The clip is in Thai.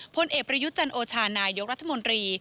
พลเอกประยุทธ์จันโอชานายกรัฐมนตรี